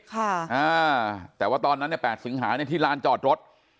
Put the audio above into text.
ค่ะอ่าแต่ว่าตอนนั้นเนี่ยแปดสิงหาเนี่ยที่ลานจอดรถ